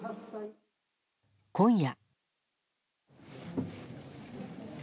今夜。